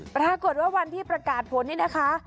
ปรากฏว่าวันที่ประกาศผลนี่นะคะ